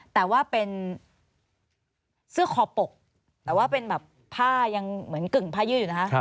แต่ว่าเป็นเสื้อคอปกแต่ว่าเป็นแบบผ้ายังเหมือนกึ่งผ้ายืดอยู่นะคะ